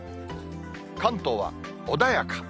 関東は穏やか。